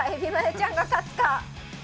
ちゃんが勝つか。